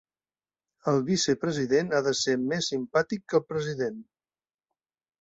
El vicepresident ha de ser més simpàtic que el president.